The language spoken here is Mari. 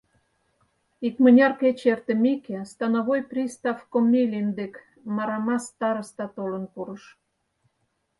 Икмыняр кече эртымеке, становой пристав Комелин дек Марамас староста толын пурыш.